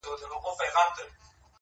کښتۍ وان ویل مُلا لامبو دي زده ده؟-